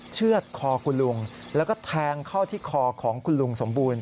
เชื่อดคอคุณลุงแล้วก็แทงเข้าที่คอของคุณลุงสมบูรณ